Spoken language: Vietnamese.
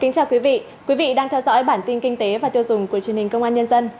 chào mừng quý vị đến với bản tin kinh tế và tiêu dùng của truyền hình công an nhân dân